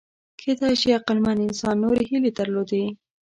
کېدای شي عقلمن انسان نورې هیلې درلودې.